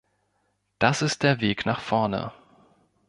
Das ist der Weg nach vorne.